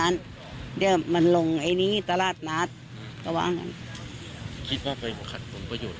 เนี้ยมันลงไอ้นี่ตลาดนัดก็ว่างั้นคิดว่าไปขัดผลประโยชน